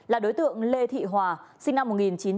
là đối tượng lê thị hòa sinh năm một nghìn chín trăm bảy mươi ba